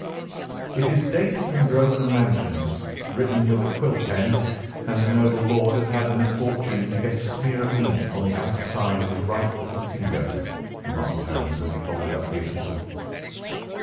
"It is dated from Grosvenor Mansions, written with a quill pen, and the noble lord has had the misfortune to get a smear of ink upon the outer side of his right little finger," remarked Holmes as he folded up the epistle.